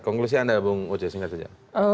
konklusi anda bung oce singkat saja